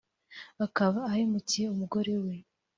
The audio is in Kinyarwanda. akaba ahemukiye umugore we